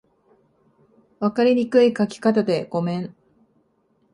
分かりにくい書き方でごめん